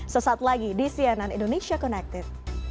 sesaat lagi di cnn indonesia connected